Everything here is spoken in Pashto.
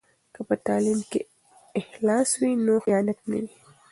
که په تعلیم کې اخلاص وي نو خیانت نه وي.